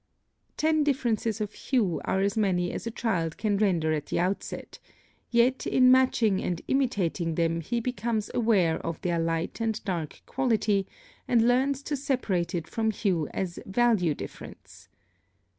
(41) Ten differences of hue are as many as a child can render at the outset, yet in matching and imitating them he becomes aware of their light and dark quality, and learns to separate it from hue as value difference.